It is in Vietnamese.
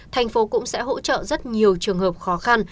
thành phố cũng sẽ hỗ trợ rất nhiều trường hợp khó khăn